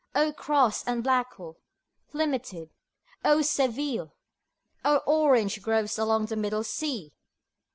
O Crosse and Blackwell, Limited! O Seville! O orange groves along the Middle Sea!